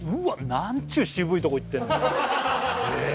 なんちゅう渋いとこ行ってんの？